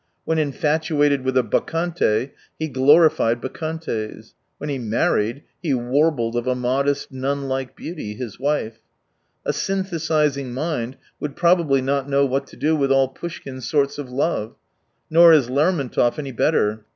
When infatuated with a bacchante, he glorified bacchantes. When he married, he warbled of a piodest, nun Hke beauty, his wife. A synthesising mind would probably not know what to do with all Poushkin's sorts of love. Nor is Lermon tov any better.